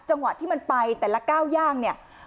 จังหวะที่มันไปแต่ละก้าวย่างเนี่ย